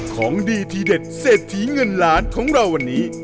ของดีทีเด็ดเศรษฐีเงินล้านของเราวันนี้